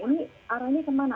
ini arahnya kemana